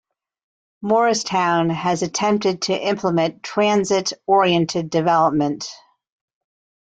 Morristown has attempted to implement transit-oriented development.